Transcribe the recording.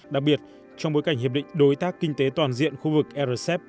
đặc biệt trong bối cảnh hiệp định đối tác kinh tế toàn diện khu vực rcep